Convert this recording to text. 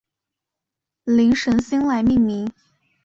灵神星来命名。